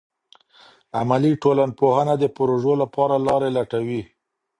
عملي ټولنپوهنه د پروژو لپاره لارې لټوي.